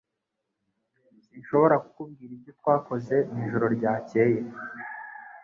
Sinshobora kukubwira ibyo twakoze mwijoro ryakeye.